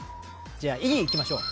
じゃあＥいきましょう。